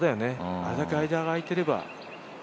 あれだけ間があいていれば。